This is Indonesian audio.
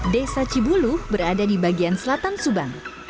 desa cibulu berada di bagian selatan subang